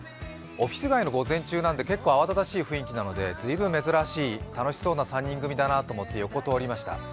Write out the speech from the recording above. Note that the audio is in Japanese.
オフィス街の午前中なんで結構、慌ただしい雰囲気なので随分、珍しい楽しそうな３人組だなと思って横を通りました。